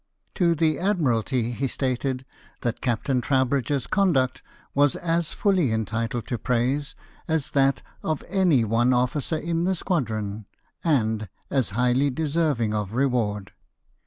To the Admiralty he stated that Captain Trowbridge's conduct was as fully entitled to praise as that of any one officer in the squadron, and as highly deserving of reward.